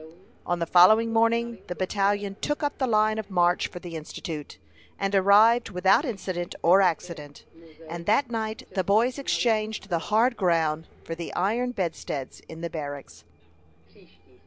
On the following morning the battalion took up the line of march for the Institute, and arrived without incident or accident; and that night the boys exchanged the hard ground for the iron bedsteads in the barracks.